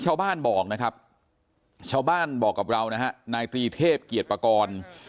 ชาวบ้านบอกนะครับชาวบ้านบอกกับเรานะฮะนายตรีเทพเกียรติปากร